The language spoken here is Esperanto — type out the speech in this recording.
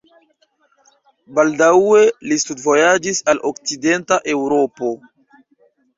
Baldaŭe li studvojaĝis al okcidenta Eŭropo.